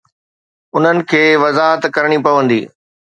انهن کي وضاحت ڪرڻي پوندي.